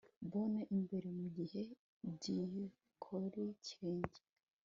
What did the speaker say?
Borne imbere mugihe gitokirenge